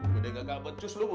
sudah tidak akan kembali lagi